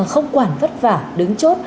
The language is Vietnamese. không quản vất vả đứng chốt